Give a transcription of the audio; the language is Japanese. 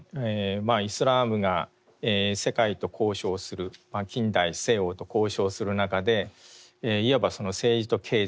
イスラームが世界と交渉する近代西欧と交渉する中でいわば政治と経済